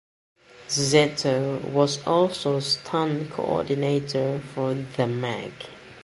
Szeto was also stunt coordinator for The Meg.